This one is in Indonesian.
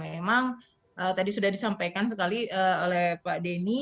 memang tadi sudah disampaikan sekali oleh pak denny